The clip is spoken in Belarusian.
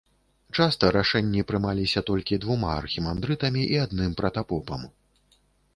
Часта рашэнні прымаліся толькі двума архімандрытамі і адным пратапопам.